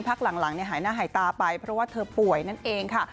พักหลังหายหน้าหายตาไปเพราะว่าเธอป่วยนั่นเองค่ะ